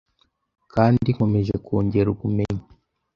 kandi nkomeje kongera ubumenyi.